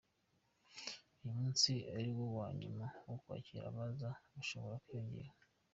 Uyu munsi ari wo wa nyuma wo kwakira abaza, bashobora kwiyongera.